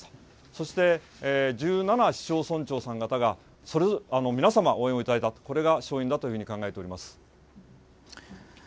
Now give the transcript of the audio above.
そして、１７市町村長さん方が皆様、応援をいただいたと、これが勝因だというふうに考えております。